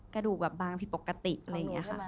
กระดูกแบบบางผิดปกติเลยค่ะ